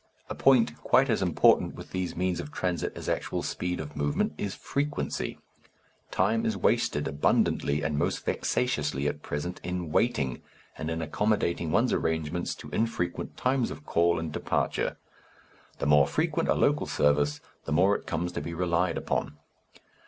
A point quite as important with these means of transit as actual speed of movement is frequency: time is wasted abundantly and most vexatiously at present in waiting and in accommodating one's arrangements to infrequent times of call and departure. _The more frequent a local service, the more it comes to be relied upon.